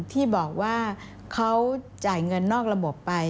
ที่บอกว่าเขาจ่ายเงินนอกระบบไป